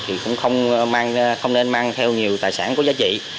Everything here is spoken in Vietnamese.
thì cũng không nên mang theo nhiều tài sản có giá trị